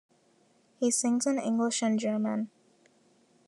He sings in English and German.